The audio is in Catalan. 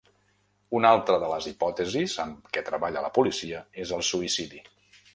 Una altra de les hipòtesis amb què treballa la policia és el suïcidi.